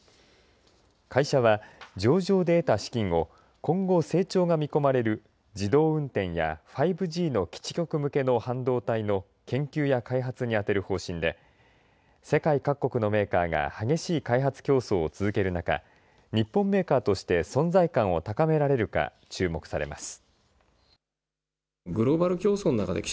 会社は上場で得た資金を今後、成長が見込まれる自動運転や５Ｇの基地局向けの半導体の研究や開発に充てる方針で世界各国のメーカーが激しい開発競争を続ける中日本メーカーとして存在感を高められるか注目されます。